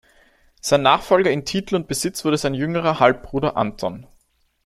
Sein Nachfolger in Titel und Besitz wurde sein jüngerer Halbbruder Anton.